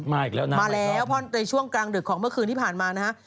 มาแล้วในช่วงกลางดึกของเมื่อคืนที่ผ่านมานะฮะ